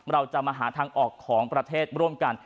เราจะมาหาทางออกของประเทศร่วมกัน